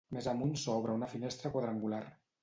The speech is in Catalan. Més amunt s'obre una finestra quadrangular.